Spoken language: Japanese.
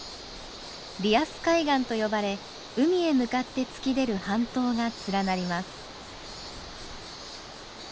リアス海岸と呼ばれ海へ向かって突き出る半島が連なります。